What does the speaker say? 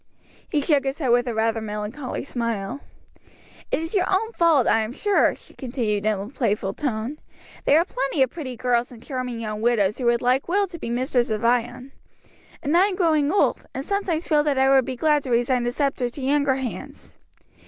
He shook his head with a rather melancholy smile. "It is your own fault, I am sure," she continued in a playful tone; "there are plenty of pretty girls and charming young widows who would like well to be mistress of Ion, and I am growing old, and sometimes feel that I would be glad to resign the sceptre to younger hands."